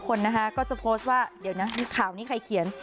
คนนะคะก็จะโพสต์ว่าเดี๋ยวนะข่าวนี้ใครเขียน